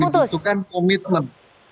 yang dibutuhkan komitmen